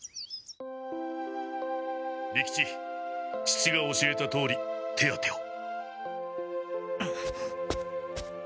父が教えたとおり手当てを。